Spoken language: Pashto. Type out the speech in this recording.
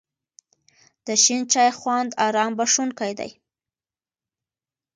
د شین چای خوند آرام بښونکی دی.